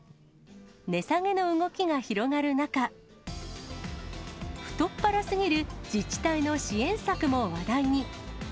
値下げの動きが広がる中、太っ腹すぎる自治体の支援策も話題に。